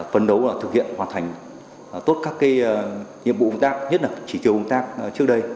phân đấu và thực hiện hoàn thành tốt các cái nhiệm vụ công tác nhất là chỉ trường công tác trước đây